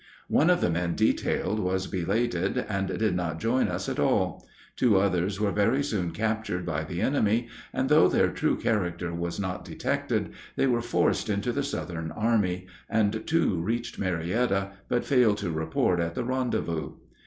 One of the men detailed was belated, and did not join us at all. Two others were very soon captured by the enemy; and though their true character was not detected, they were forced into the Southern army, and two reached Marietta, but failed to report at the rendezvous.